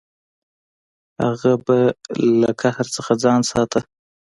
هغه ﷺ به له قهر نه ځان ساته.